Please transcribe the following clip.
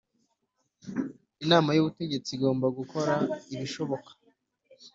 Inama y ubutegetsi igomba gukora ibishoboka